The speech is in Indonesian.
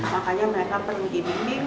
makanya mereka perlindungan